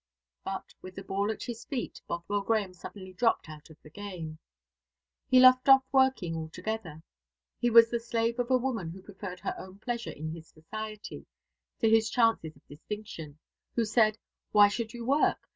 But, with the ball at his feet, Bothwell Grahame suddenly dropped out of the game. He left off working altogether. He was the slave of a woman who preferred her own pleasure in his society to his chances of distinction: who said, "Why should you work?